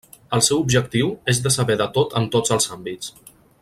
El seu objectiu és de saber de tot en tots els àmbits.